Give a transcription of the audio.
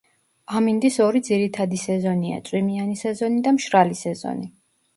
ამინდის ორი ძირითადი სეზონია: წვიმიანი სეზონი და მშრალი სეზონი.